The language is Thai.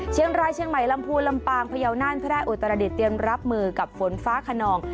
เชียงรายเชียงใหม่ลำพูนลำปางพยาวน่านแพร่อุตรดิษฐ์รับมือกับฝนฟ้าขนอง